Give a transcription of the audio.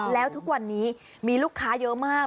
แล้วทุกวันนี้มีลูกค้าเยอะมาก